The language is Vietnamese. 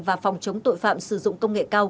và phòng chống tội phạm sử dụng công nghệ cao